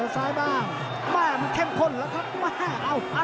ติดตามยังน้อยกว่า